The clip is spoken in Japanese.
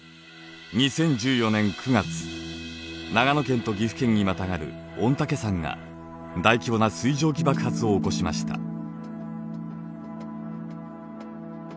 ２０１４年９月長野県と岐阜県にまたがる御嶽山が大規模な水蒸気爆発を起こしました。